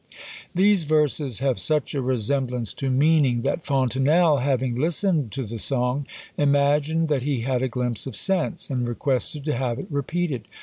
These verses have such a resemblance to meaning, that Fontenelle, having listened to the song, imagined that he had a glimpse of sense, and requested to have it repeated.